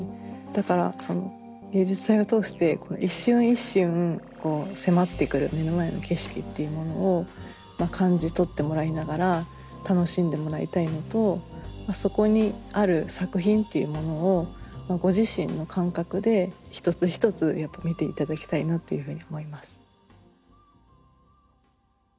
だから芸術祭を通して一瞬一瞬迫ってくる目の前の景色っていうものを感じ取ってもらいながら楽しんでもらいたいのとそこにある作品っていうものをご自身の感覚で一つ一つやっぱ見て頂きたいなというふうに思います。